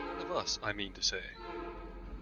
One of us, I mean to say.